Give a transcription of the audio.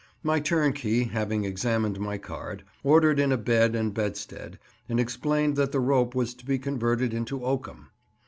My turnkey, having examined my card, ordered in a bed and bedstead, and explained that the rope was to be converted into oakum.